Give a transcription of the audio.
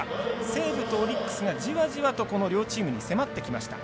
西武とオリックスがこの両チームに迫ってきました。